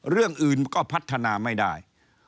เรื่องอื่นก็พัฒนาไม่ได้